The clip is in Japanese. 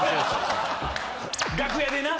楽屋でな。